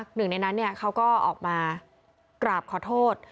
หนึ่งในนั้นเขาก็ออกมากราบขอโทษ